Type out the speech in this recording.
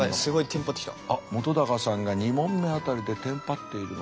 あっ本さんが２問目あたりでテンパっているのか。